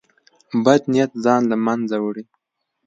بد نیت ځان له منځه وړي.